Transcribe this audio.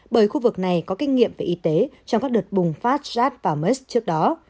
bởi khu vực này có kinh nghiệm về y tế trong các đợt bùng phát sars và mers trước đó